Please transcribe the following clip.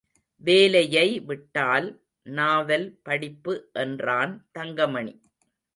வேலையை விட்டால் நாவல் படிப்பு என்றான் தங்கமணி.